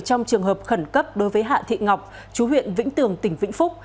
trong trường hợp khẩn cấp đối với hạ thị ngọc chú huyện vĩnh tường tỉnh vĩnh phúc